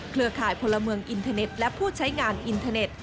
ข่ายพลเมืองอินเทอร์เน็ตและผู้ใช้งานอินเทอร์เน็ต